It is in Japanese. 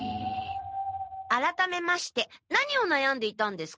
あらためまして何をなやんでいたんですか？